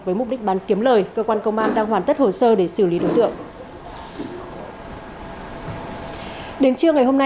với mục đích bán kiếm lời cơ quan công an đang hoàn tất hồ sơ để xử lý đối tượng